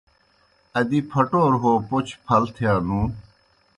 ادِی پھٹَوروْ ہو پوْچوْ پھل تِھیا نُوں۔